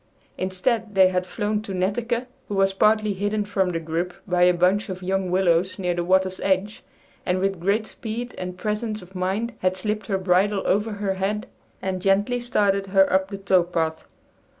Instead they had flown to Netteke, who was partly hidden from the group by a bunch of young willows near the water's edge, and with great speed and presence of mind had slipped her bridle over her head and gently started her up the tow path.